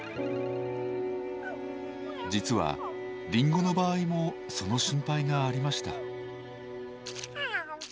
実はリンゴの場合もその心配がありました。